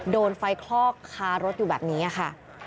โดนไฟคลอกคารถอยู่แบบนี้ค่ะ